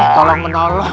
sup sk sabes kak